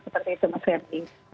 seperti itu maksudnya